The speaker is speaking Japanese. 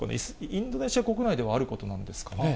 インドネシア国内ではあることなんですかね。